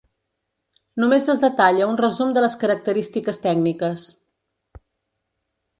Només es detalla un resum de les característiques tècniques.